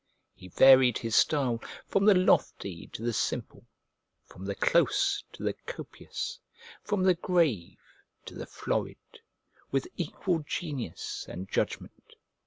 He varied his style from the lofty to the simple, from the close to the copious, from the grave to the florid, with equal genius and judgment.